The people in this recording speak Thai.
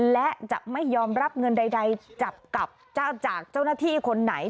และจะไม่ยอมรับเงินใดจับกับเจ้าจากเจ้าหน้าที่คนไหน